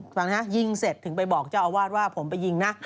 พอยิงเสร็จถึงไปบอกเจ้าอวาดว่าผมไปยิงนะ